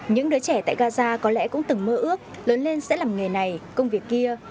những đứa trẻ tại gaza có lẽ cũng từng mơ ước lớn lên sẽ làm nghề này công việc kia